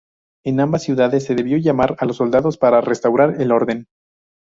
En ambas ciudades, se debió llamar a los soldados para restaurar el orden.